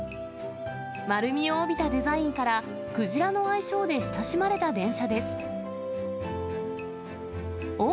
丸みを帯びたデザインから、クジラの愛称で親しまれた電車です。